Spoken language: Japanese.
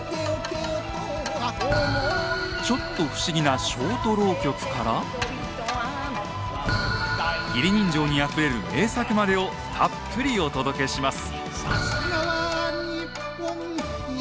ちょっと不思議なショート浪曲から義理人情にあふれる名作までをたっぷりお届けします。